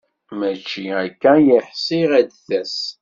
Mačči akka ay ḥṣiɣ ad d-tas.